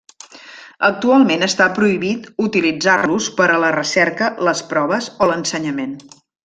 Actualment està prohibit utilitzar-los per a la recerca, les proves o l'ensenyament.